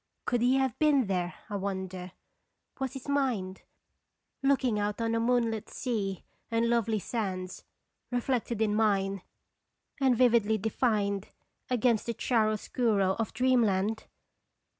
(Could he have been there, I wonder? Was his mind, looking out on the moonlit sea and lovely sands, reflected in mine, and vividly defined against the chiaroscuro of dreamland